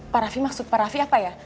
pak rafi maksud pak rafi apa ya